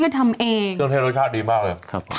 เครื่องเทศรสชาติดีมากเลย